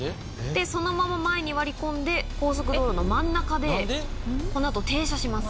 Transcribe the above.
そのまま前に割り込んで高速道路の真ん中で停車します。